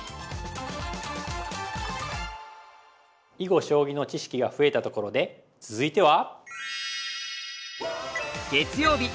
囲碁将棋の知識が増えたところで続いては！